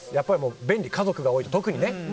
便利、家族が多いと特にね。